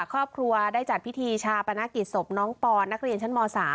ครอบครัวได้จัดพิธีชาปนกิจศพน้องปอนนักเรียนชั้นม๓